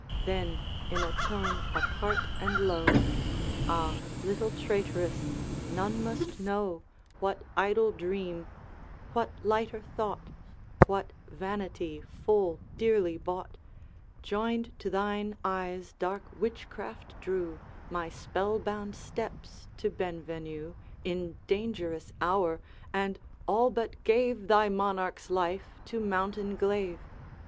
Then, in a tone apart and low, 'Ah, little traitress! none must know What idle dream, what lighter thought What vanity full dearly bought, Joined to thine eye's dark witchcraft, drew My spell bound steps to Benvenue In dangerous hour, and all but gave Thy Monarch's life to mountain glaive!'